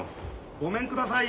・ごめんください。